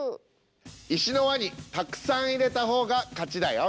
石の輪にたくさん入れた方が勝ちだよ。